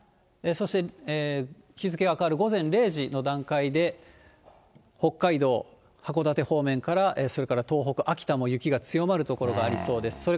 そして日付が変わる午前０時の段階で、北海道函館方面からそれから東北、秋田も雪が強まる所がありそうです。